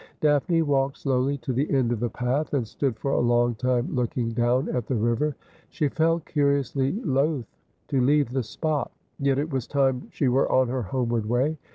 Daphne walked slowly to the end of the path, and stood for a long time looking down at the river. She felt curiously loth to leave the spot. Yet it was time she were on her homeward way.